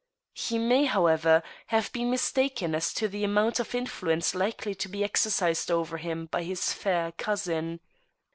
He may, however, have been mistaken as to the amount of influ ence likely to be exercised over him by his fair cousin.